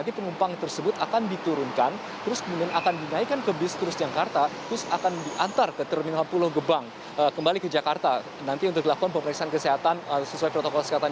itu menunjukkan satu persaudaraan